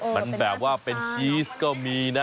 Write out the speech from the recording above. มันแบบว่าเป็นชีสก็มีนะ